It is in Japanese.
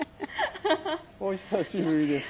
お久しぶりです。